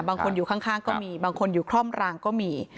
บางคนอยู่ข้างก็มีบางคนอยู่คล่อมรางก็มี